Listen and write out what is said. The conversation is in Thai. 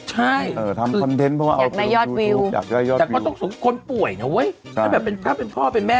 ให้ยอดมีวิวแต่ต้องสมองเป็นคนป่วยนะ